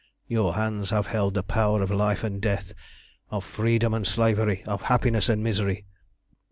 Your hands have held the power of life and death, of freedom and slavery, of happiness and misery.